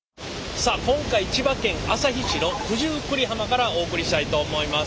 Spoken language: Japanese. さあ今回千葉県旭市の九十九里浜からお送りしたいと思います。